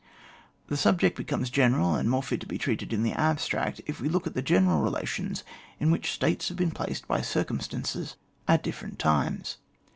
The subject becomes general and more fit to be treated of in the abstract if we look at the general relations in which States have been placed by circumstances VOL. zxi. at different times.